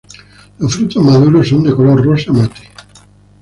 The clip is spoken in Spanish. Los frutos maduros son de color rosa mate.